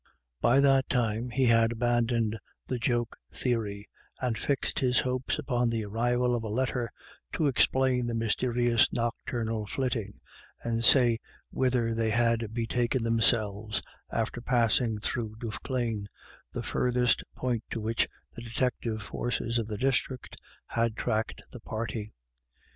By that time he had abandoned the joke theory, and fixed his hopes upon the arrival of a letter to explain the mysterious nocturnal flitting, and say whither they had betaken themselves after passing through Duffclane, the furthest point to which the detective forces of the district had tracked the party.